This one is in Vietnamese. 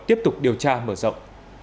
tiếp tục điều tra mở rộng